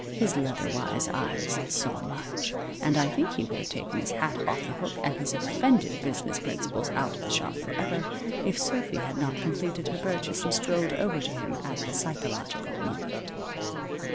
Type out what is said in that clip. His leather wise eyes saw much, and I think he would have taken his hat off the hook, and his offended business principles out of the shop forever if Sophy had not completed her purchase and strolled over to him at the psychological moment.